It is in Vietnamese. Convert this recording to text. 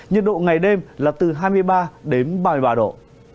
nhiệt độ ngày đêm là từ hai mươi ba đến ba mươi ba độ